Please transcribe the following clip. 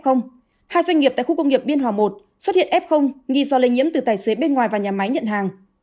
hai doanh nghiệp tại khu công nghiệp biên hòa i xuất hiện f nghi do lây nhiễm từ tài xế bên ngoài vào nhà máy nhận hàng